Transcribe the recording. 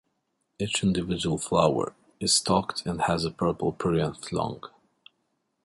Each individual flower is stalked and has a purple perianth long.